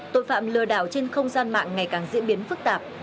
tội phạm lừa đảo trên không gian mạng ngày càng diễn biến phức tạp